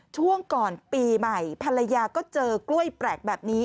ช่วงก่อนปีใหม่ภรรยาก็เจอกล้วยแปลกแบบนี้